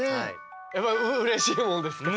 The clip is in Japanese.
やっぱりうれしいものですか？